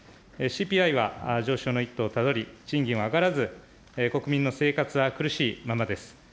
ＣＰＩは上昇の一途をたどり、賃金は上がらず、国民の生活は苦しいままです。